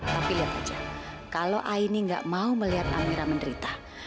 lihat aja kalau aini gak mau melihat amirah menderita